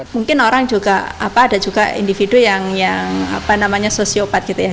mungkin orang juga apa ada juga individu yang apa namanya sosiopat gitu ya